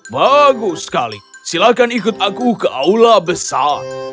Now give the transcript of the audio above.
bagus sekali silahkan ikut aku ke aula besar